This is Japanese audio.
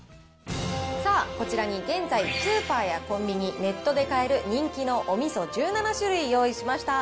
さあ、こちらに現在スーパーやコンビニ、ネットで買える人気のおみそ１７種類用意しました。